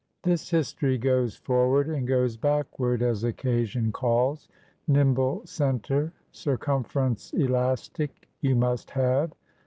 This history goes forward and goes backward, as occasion calls. Nimble center, circumference elastic you must have.